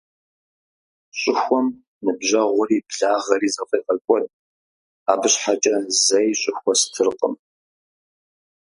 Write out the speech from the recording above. Щӏыхуэм ныбжьэгъури благъэри зэфӏегъэкӏуэд, абы щхьэкӏэ зэи щӏыхуэ стыркъым.